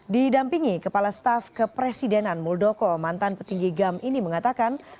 didampingi kepala staf kepresidenan muldoko mantan petinggi gam ini mengatakan